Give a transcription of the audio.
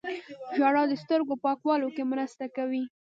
ژړا د سترګو پاکولو کې مرسته کوي